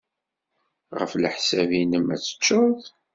Ɣef leḥsab-nnem, ad tečč?